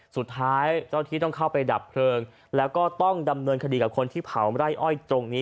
เจ้าที่ต้องเข้าไปดับเพลิงแล้วก็ต้องดำเนินคดีกับคนที่เผาไร่อ้อยตรงนี้